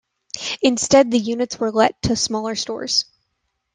Instead the units were let to smaller stores.